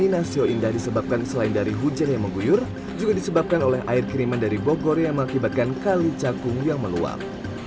nasio indah disebabkan selain dari hujan yang mengguyur juga disebabkan oleh air kiriman dari bogor yang mengakibatkan kali cakung yang meluap